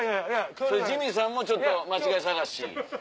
ジミーさんもちょっと間違い探し。